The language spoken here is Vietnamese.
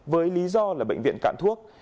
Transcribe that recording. với lý do là bệnh viện cạn thuốc